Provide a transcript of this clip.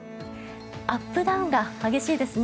アップダウンが激しいですね。